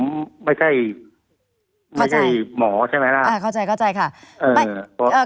ผมไม่ใช่ไม่ใช่หมอใช่ไหมล่ะอ่าเข้าใจเข้าใจค่ะ